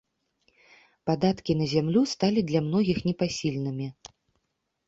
Падаткі на зямлю сталі для многіх непасільнымі.